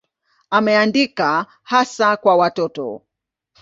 Ameandika hasa kwa watoto.